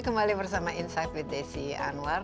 kembali bersama insight with desi anwar